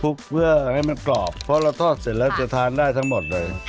เพื่อให้มันกรอบเพราะเราทอดเสร็จแล้วจะทานได้ทั้งหมดเลย